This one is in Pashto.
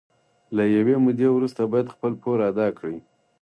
له یوې مودې وروسته باید خپل پور ادا کړي